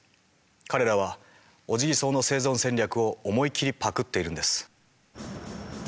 彼らはオジギソウの生存戦略を思い切りパクっているんです。